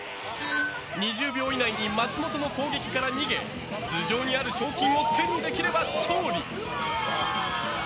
２０秒以内に松本の攻撃から逃げ頭上にある賞金を手にできれば勝利。